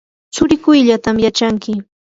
tsurikuyllatam yachanki.